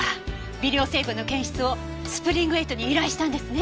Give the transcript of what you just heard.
微量成分の検出をスプリング８に依頼したんですね？